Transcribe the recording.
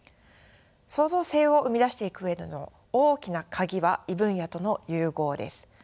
創造性を生み出していく上での大きな鍵は異分野との融合です。